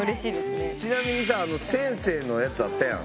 ちなみに先生のやつあったやん。